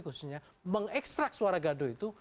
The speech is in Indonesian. khususnya mengekstrak suara gaduh itu